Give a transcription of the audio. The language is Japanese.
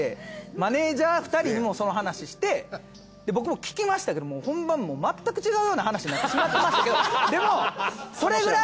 マネージャー２人にもその話して僕も聞きましたけども本番まったく違うような話になってしまってましたけどでもそれくらい。